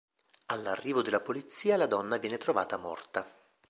All'arrivo della polizia la donna viene trovata morta.